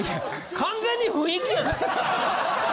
・完全に雰囲気やない。